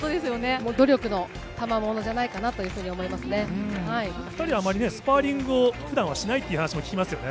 もう努力のたまものじゃない２人はあまりね、スパーリングをふだんはしないっていう話もありますよね。